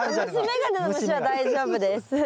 大丈夫です。